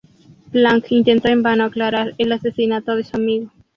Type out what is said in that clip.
Planck intentó en vano aclarar el asesinato de su amigo.